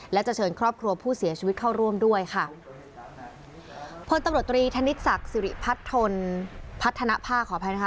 และจะเชิญครอบครัวผู้เสียชีวิตเข้าร่วมด้วยค่ะ